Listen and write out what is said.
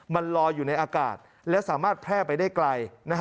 มันลอยอยู่ในอากาศและสามารถแพร่ไปได้ไกล